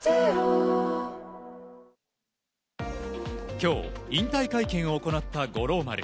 今日、引退会見を行った五郎丸。